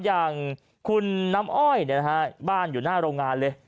อย่างคุณน้ำอ้อยบ้านอยู่หน้าโรงงานเลย